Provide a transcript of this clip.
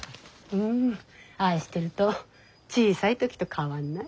うんああしてると小さい時と変わんない。